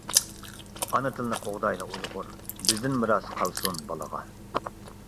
ئانا تىلنى قوغدايلى ئۇيغۇر، بىزدىن مىراس قالسۇن بالىغا.